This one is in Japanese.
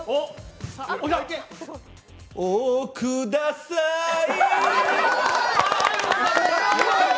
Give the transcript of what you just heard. をください